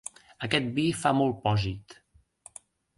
Aquest vi fa molt pòsit.